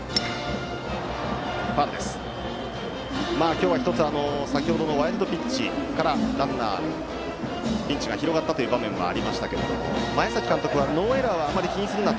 今日は先程のワイルドピッチからランナーが出てピンチが広がった場面がありましたが前崎監督はノーエラーはあまり気にするな。